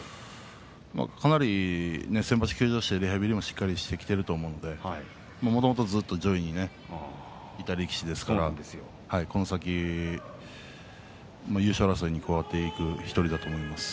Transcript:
かなり先場所、休場してリハビリをしっかりしていると思うんでもともと上位にいた力士ですからこの先優勝争いに加わっていく１人だと思います。